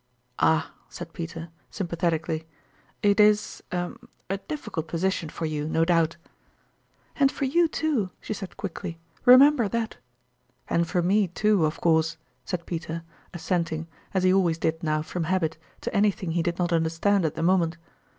" Ah !" said Peter, sympathetically, " it is er a difficult position for you, no doubt." " And for you, too !" she said quickly ;" re member that." " And for me, too, of course," said Peter, as senting, as he always did now from habit, to anything he did not understand at the mo ment.